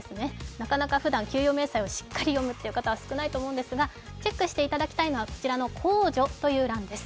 なかなかふだん、給与明細をしっかり読む方は少ないと思うのですがチェックしていただきたいのは控除という欄です。